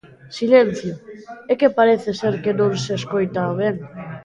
Silencio, é que parece ser que non se escoita ben.